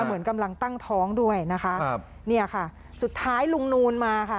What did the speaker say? เหมือนกำลังตั้งท้องด้วยนะคะครับเนี่ยค่ะสุดท้ายลุงนูนมาค่ะ